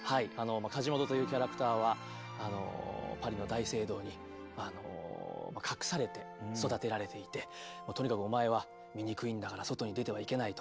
カジモドというキャラクターはパリの大聖堂に隠されて育てられていてとにかくお前は醜いんだから外に出てはいけないと。